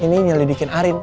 ini ini yang didikin arin